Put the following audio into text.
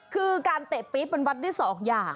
คือการเตะปี๊บเป็นวัดที่สองอย่าง